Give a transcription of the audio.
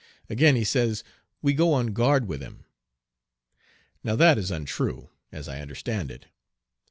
Again, he says we "go on guard with him." Now that is untrue, as I understand it.